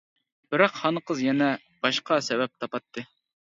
بىراق خانقىز يەنە باشقا سەۋەب تاپاتتى.